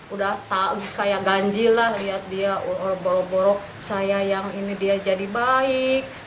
udah kayak ganji lah lihat dia boro borok saya yang ini dia jadi baik